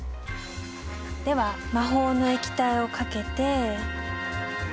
では魔法の液体をかけて。